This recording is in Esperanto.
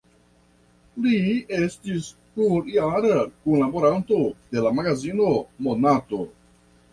Li estis plurjara kunlaboranto de la magazino "Monato".